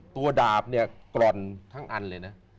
ดาบเนี่ยกร่อนทั้งอันเลยนะ